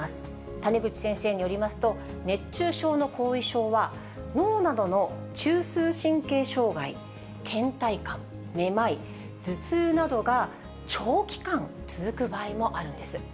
谷口先生によりますと、熱中症の後遺症は、脳などの中枢神経障害、けん怠感、めまい、頭痛などが長期間続く場合もあるんです。